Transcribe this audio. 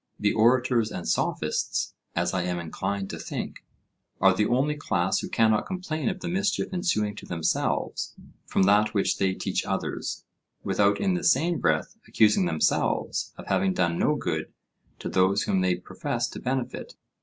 The orators and sophists, as I am inclined to think, are the only class who cannot complain of the mischief ensuing to themselves from that which they teach others, without in the same breath accusing themselves of having done no good to those whom they profess to benefit.